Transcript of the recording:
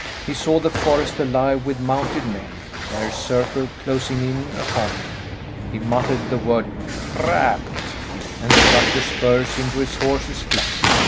He saw the forest alive with mounted men, their circle closing in upon him. He muttered the word: "Trapped!" and struck the spurs into his horse's flank.